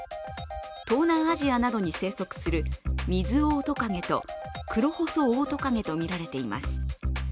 東南アジアなどに生息するミズオオトカゲとクロホソオオトカゲとみられています。